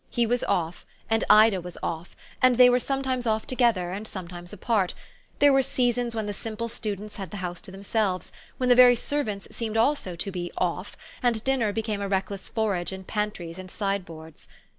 He was "off," and Ida was "off," and they were sometimes off together and sometimes apart; there were seasons when the simple students had the house to themselves, when the very servants seemed also to be "off" and dinner became a reckless forage in pantries and sideboards.